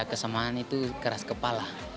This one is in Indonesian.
kesamaan itu keras kepala